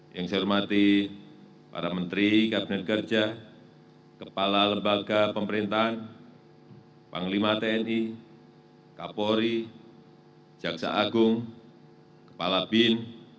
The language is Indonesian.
yang saya hormati para menteri kabinet kerja kepala lembaga pemerintahan panglima tni kapolri jaksa agung kepala bin